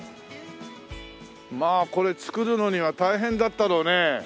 まあこれ造るのには大変だったろうね。